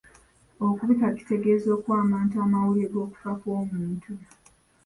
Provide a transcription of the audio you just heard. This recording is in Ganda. Okubika kitegeeza okuwa abantu amawulire g’okufa kw’omuntu.